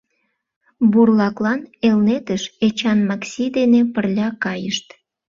Бурлаклан Элнетыш Эчан Макси дене пырля кайышт.